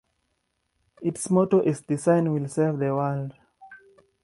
Its motto is Design will save the world.